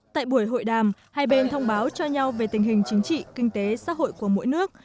tại buổi hội đàm hai bên thông báo cho nhau về tình hình chính trị kinh tế xã hội của mỗi nước